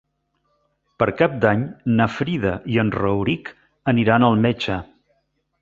Per Cap d'Any na Frida i en Rauric aniran al metge.